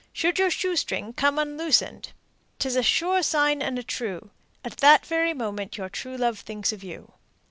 Should your shoestring come unloosened, 'T is a sure sign and a true, At that very moment Your true love thinks of you.